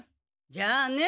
じゃあね。